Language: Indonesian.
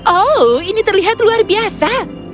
oh ini terlihat luar biasa